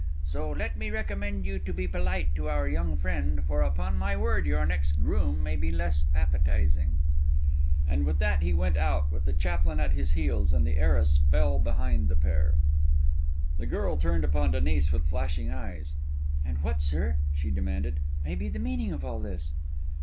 So let me recommend you to be polite to our young friend; for upon my word, your next groom may be less appetising." And with that he went out, with the chaplain at his heels; and the arras fell behind the pair. The girl turned upon Denis with flashing eyes. "And what, sir," she demanded, "may be the meaning of all this?"